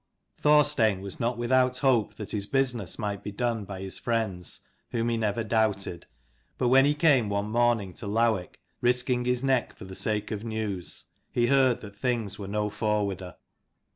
Thorstein was not without hope that his business might be done by his friends, whom he never doubted. But when he came one morning to Lowick, risking his neck for the sake of news, he heard that things were no forwarder.